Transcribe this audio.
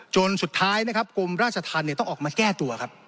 จนสุดท้ายกรมราชฐานต้องออกมาแก้ตัว